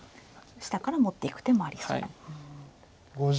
下から持っていく手もありそう。